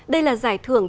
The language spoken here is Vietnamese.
đây là giải thưởng